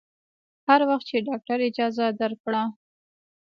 هر وخت چې ډاکتر اجازه درکړه.